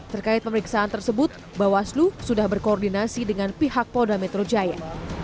terkait pemeriksaan tersebut bawaslu sudah berkoordinasi dengan pihak polda metro jaya